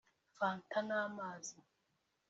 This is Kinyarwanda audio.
fanta n’amazi